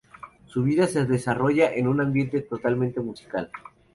Su vida se desarrolla en un ambiente totalmente musical.